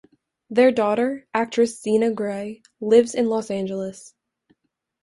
Their daughter, actress Zena Grey, lives in Los Angeles.